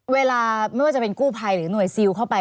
เวลาไม่ว่าจะเป็นกู้ภัยหรือหน่วยซิลเข้าไป